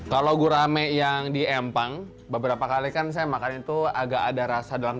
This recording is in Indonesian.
kalau gurame yang di empang beberapa kali kan saya makan itu agak ada rasa dalam